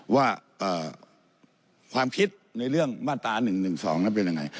ว่าความคิดในเรื่องมาตรา๑๑๒นั้นเป็นยังไง